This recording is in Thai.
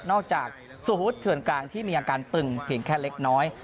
จากสุพุทธเถื่อนกลางที่มีอาการตึงเพียงแค่เล็กน้อย